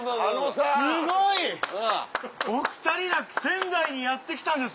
すごい！お２人が仙台にやって来たんですね！